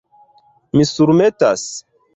Mi surmetas?